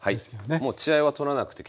もう血合いは取らなくて結構です。